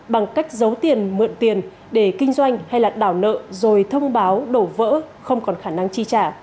bằng cách giấu tiền mượn tiền để kinh doanh hay đảo nợ rồi thông báo đổ vỡ không còn khả năng chi trả